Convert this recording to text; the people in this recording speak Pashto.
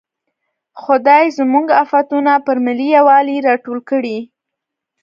خدای زموږ افتونه پر ملي یوالي راټول کړي.